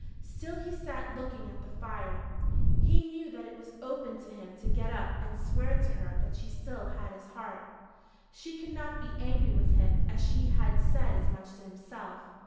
Still he sat looking at the fire. He knew that it was open to him to get up and swear to her that she still had his heart. She could not be angry with him as she had said as much to himself.